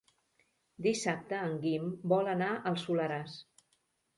Dissabte en Guim vol anar al Soleràs.